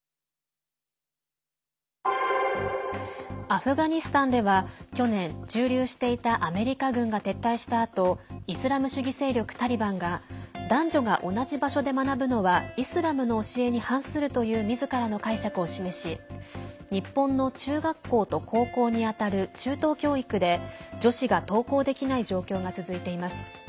アフガニスタンでは去年、駐留していたアメリカ軍が撤退したあとイスラム主義勢力タリバンが男女が同じ場所で学ぶのはイスラムの教えに反するというみずからの解釈を示し日本の中学校と高校に当たる中等教育で女子が登校できない状況が続いています。